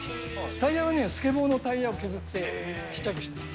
タイヤはね、スケボーのタイヤを削ってちっちゃくしてます。